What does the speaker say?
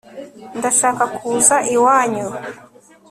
ndashaka kuza iwanyu